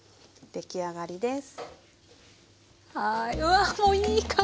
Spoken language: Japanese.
出来上がりです。